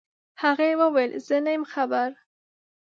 هغې وويل زه نه يم خبر.